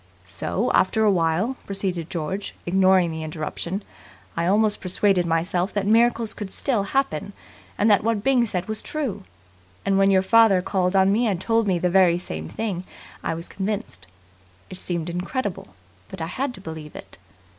"So after a while," proceeded George, ignoring the interruption, "I almost persuaded myself that miracles could still happen, and that what Byng said was true. And when your father called on me and told me the very same thing I was convinced. It seemed incredible, but I had to believe it.